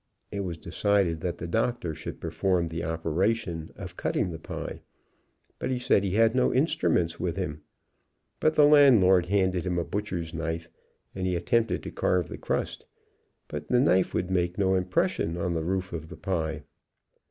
It vvas decided that the Doctor should perform the op eration of cutting the pie, but he said he had no in struments with him, but the Landlord handed him a 144 HOW UNCLE CHARLEY MADE AN APPLE PIE butcher knife and he attempted to carve the crust, but the knife would make no impression on the roof of the pie.